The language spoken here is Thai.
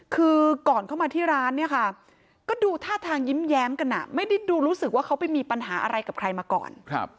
คือก่อนเข้ามาที่ร้านเนี่ยค่ะก็ดูท่าทางยิ้มแย้มกันไม่ได้ดูรู้สึกว่าเขาไปมีปัญหาอะไรกับใครมาก่อน